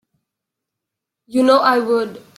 You know I would.